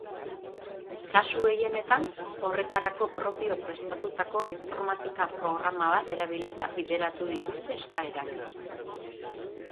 Kasu gehienetan, horretarako propio prestatutako informatika programa bat erabilita bideratu dituzte eskaerak.